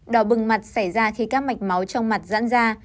đỏ bừng mặt xảy ra khi các mạch máu trong mặt giãn ra